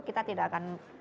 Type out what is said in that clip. kita tidak akan